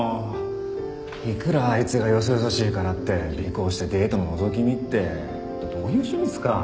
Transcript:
いくらあいつがよそよそしいからって尾行してデートののぞき見ってどういう趣味っすかぁ？